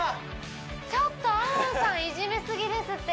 ちょっとＡＭＯＮさんいじめすぎですって